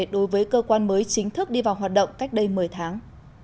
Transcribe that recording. đối với cơ quan mới chính thức đi vào hoạt động cách đây một mươi tháng